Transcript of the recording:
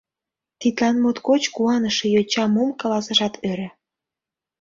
Тидлан моткоч куаныше йоча мом каласашат ӧрӧ.